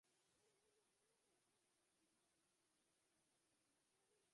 Soliq to‘lamaslikka uringan "tadbirkor"ning siri fosh bo‘ldi